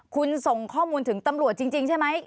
คุณส่งข้อมูลถึงตำรวจจริงใช่ไหม